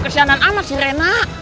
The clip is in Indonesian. kesianan amat sih rena